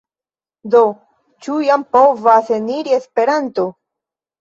Do, ĉu jam povas eniri Esperanto?